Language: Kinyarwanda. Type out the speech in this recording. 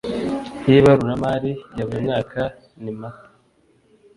y ibaruramari ya buri mwaka ni mata